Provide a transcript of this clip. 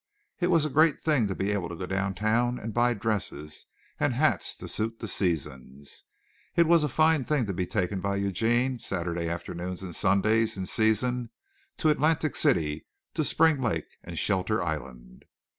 It was a great thing to be able to go downtown and buy dresses and hats to suit the seasons. It was a fine thing to be taken by Eugene Saturday afternoons and Sundays in season to Atlantic City, to Spring Lake, and Shelter Island.